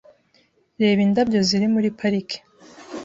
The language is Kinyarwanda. Reba indabyo ziri muri parike .